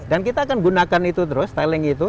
dan kita akan gunakan itu terus tailing itu